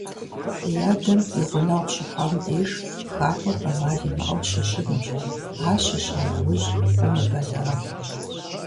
Уи адэм и гъунэгъу щыхъуам деж, хакӀуэр Ӏэмал имыӀэу щыщынущ, ар щыща нэужь, умыбэлэрыгъ.